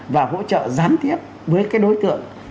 và hỗ trợ gián tiếp với cái đối tượng